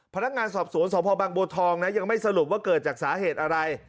พนักงานสอบสวนสพบังบัวทองนะยังไม่สรุปว่าเกิดจากสาเหตุอะไร